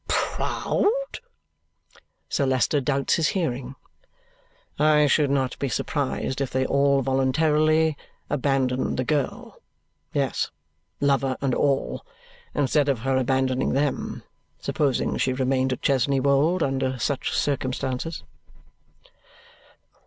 "Proud?" Sir Leicester doubts his hearing. "I should not be surprised if they all voluntarily abandoned the girl yes, lover and all instead of her abandoning them, supposing she remained at Chesney Wold under such circumstances."